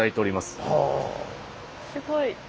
すごい。